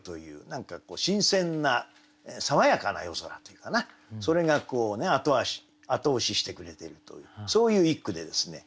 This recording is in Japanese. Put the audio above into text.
何か新鮮な爽やかな夜空っていうかなそれが後押ししてくれているというそういう一句でですね。